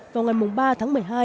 vào ngày ba tháng một mươi hai